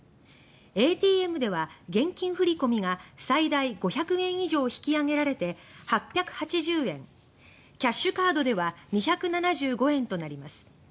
ＡＴＭでは現金振り込みが最大５００円以上引き上げられて８８０円キャッシュカードでは２７５円となります。